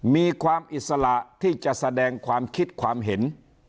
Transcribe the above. มีความอิสระที่จะแสดงความคิดความเห็น